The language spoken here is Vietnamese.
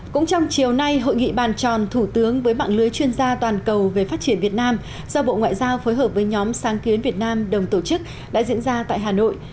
cũng trong chiều nay hội nghị bàn tròn thủ tướng với mạng lưới chuyên gia toàn cầu về phát triển việt nam do bộ ngoại giao phối hợp với nhóm sáng kiến việt nam đồng tổ chức đã diễn ra tại hà nội